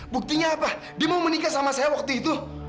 buktinya apa dia mau menikah sama saya waktu itu